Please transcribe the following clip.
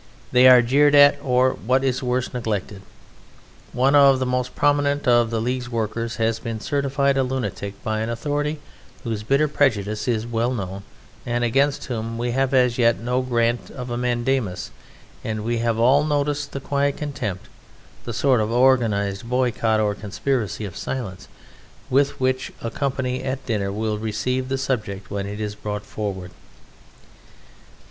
They are jeered at, or, what is worse, neglected. One of the most prominent of the League's workers has been certified a lunatic by an authority whose bitter prejudice is well known, and against whom we have as yet had no grant of a mandamus, and we have all noticed the quiet contempt, the sort of organized boycott or conspiracy of silence with which a company at dinner will receive the subject when it is brought forward.